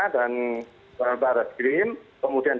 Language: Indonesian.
dan barat green kemudian